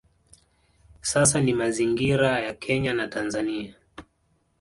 Sasa ni mazingira ya Kenya na Tanzania